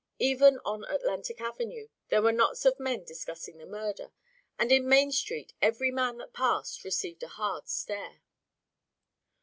Even on Atlantic Avenue there were knots of men discussing the murder, and in Main Street every man that passed received a hard stare.